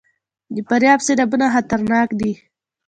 د فاریاب سیلابونه خطرناک دي